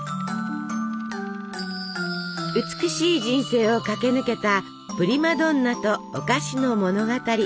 美しい人生を駆け抜けたプリマドンナとお菓子の物語。